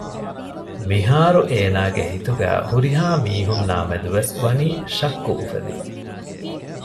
މިހާރު އޭނާގެ ހިތުގައި ހުރިހާ މީހުންނާމެދުވެސް ވަނީ ޝައްކު އުފެދިފަ